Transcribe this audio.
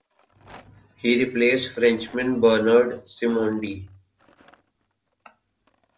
He replaced Frenchman Bernard Simondi.